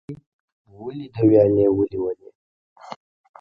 ولي ولې د ویالې ولې ولې؟